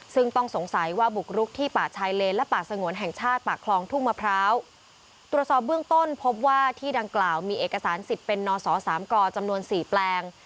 ซึ่งต้องสงสัยว่าบุกรุกที่ป่าชายเลนและป่าสงวนแห่งชาติป่าคลองทุ่งมะพร้าวตรวจสอบเบื้องต้นพบว่าที่ดังกล่าวมีเอกสารสิทธิ์เป็นนสสามกจำนวนสี่แปลง